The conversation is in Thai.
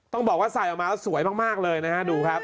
ต้องบอกว่าใส่ออกมาแล้วสวยมากเลยนะฮะดูครับ